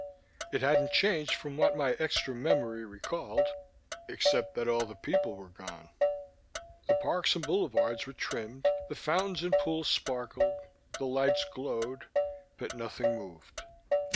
It hadn't changed from what my extra memory recalled except that all the people were gone. The parks and boulevards were trimmed, the fountains and pools sparkled, the lights glowed ... but nothing moved.